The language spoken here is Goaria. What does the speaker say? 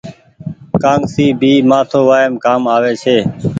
ڪآنگسي ڀي مآٿو وآئم ڪآم آوي ڇي۔